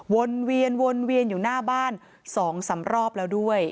วนเวียนวนเวียนอยู่หน้าบ้าน๒๓รอบแล้วด้วย